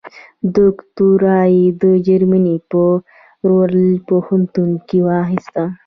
دوکتورا یې د جرمني په رور پوهنتون کې واخیسته.